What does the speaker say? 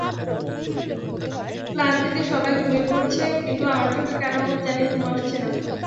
ক্লান্তিতে সবাই ঘুমিয়ে পড়েছে কিন্তু আমার চোখে কেন জানি ঘুম আসছে না।